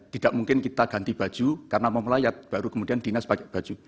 tidak mungkin kita ganti baju karena mau melayat baru kemudian dinas pakai baju